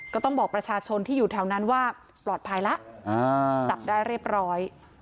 ก็ต้องบอกประชาชนที่อยู่แถวนั้นว่าปลอดภัยแล้วจับได้เรียบร้อย